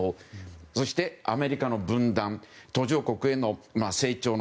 そして、アメリカの分断途上国への成長の